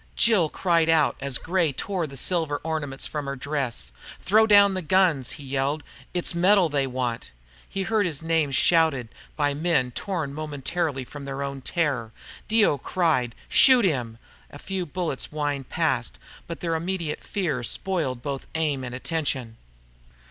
Jill cried out as Gray tore the silver ornaments from her dress. "Throw down the guns!" he yelled. "It's metal they want!" He heard his name shouted by men torn momentarily from their own terror. Dio cried, "Shoot him!" A few bullets whined past, but their immediate fear spoiled both aim and attention.